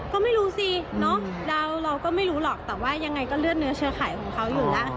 ก็ไม่รู้สิเนอะเราก็ไม่รู้หรอกแต่ว่ายังไงก็เลือดเนื้อเชื้อไขของเขาอยู่แล้ว